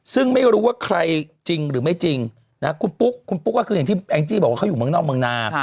ซึ่งไม่รู้ว่าใครจริงหรือไม่จริงนะคุณปุ๊กคุณปุ๊กก็คืออย่างที่แองจี้บอกว่าเขาอยู่เมืองนอกเมืองนา